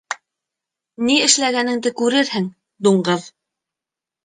— Ни эшләгәнеңде күрерһең, дуңғыҙ.